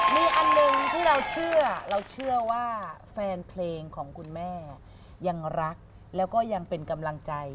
มีอันหนึ่งที่เราเชื่อเราเชื่อว่าแฟนเพลงของคุณแม่ยังรักแล้วก็ยังเป็นกำลังใจ